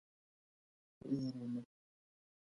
هیر یې نکړئ.